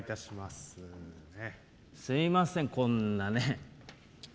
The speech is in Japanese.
すみません、こんなね。